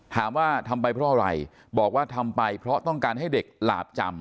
ถามว่าทำไปเพราะอะไรบอกว่าทำไปเพราะต้องการให้เด็กหลาบจำ